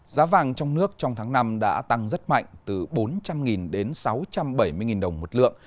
giá vàng trong nước trong tháng năm đã tăng rất mạnh từ bốn trăm linh đến sáu trăm bảy mươi đồng một lượng